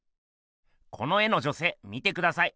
この絵の女せい見てください。